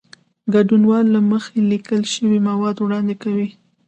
ګډونوال له مخکې لیکل شوي مواد وړاندې کوي.